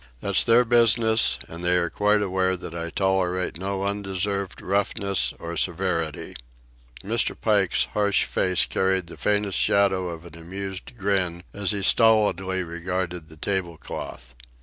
That's their business, and they are quite aware that I tolerate no undeserved roughness or severity." Mr. Pike's harsh face carried the faintest shadow of an amused grin as he stolidly regarded the tablecloth.